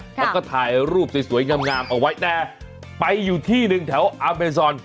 แล้วก็ถ่ายรูปสวยงามเอาไว้แต่ไปอยู่ที่หนึ่งแถวอาเมซอน